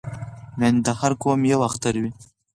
یعنې د هر قوم یو اختر وي